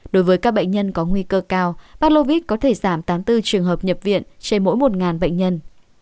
đối với các bệnh nhân có nguy cơ cao ba lôis có thể giảm tám mươi bốn trường hợp nhập viện trên mỗi một bệnh nhân